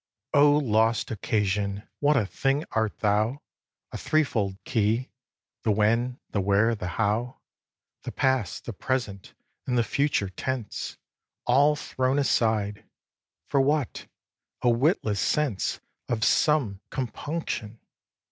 xviii. O lost Occasion! what a thing art thou: A three fold key, the when, the where, the how, The past, the present and the future tense, All thrown aside. For what? A witless sense Of some compunction!